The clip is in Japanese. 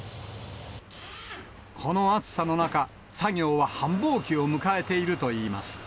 この暑さの中、作業は繁忙期を迎えているといいます。